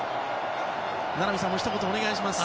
名波さんもひと言、お願いします。